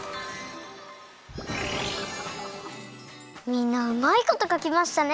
みんなうまいことかきましたね。